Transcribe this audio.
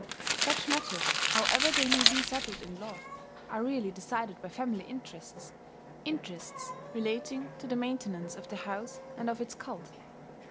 Such matters, however they may be settled in law, are really decided by family interests interests relating to the maintenance of the house and of its cult.